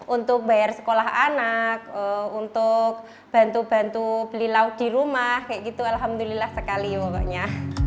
untuk bayar sekolah anak untuk bantu bantu beli lauk di rumah kayak gitu alhamdulillah sekali pokoknya